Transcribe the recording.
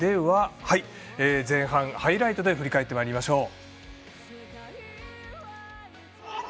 前半、ハイライトで振り返ってまいりましょう。